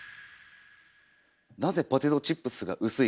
なぜポテトチップスが薄いか。